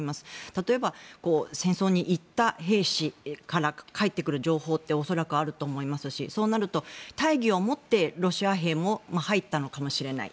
例えば、戦争に行った兵士から返ってくる情報って恐らくあると思いますしそうなると大義を持ってロシア兵も入ったのかもしれない。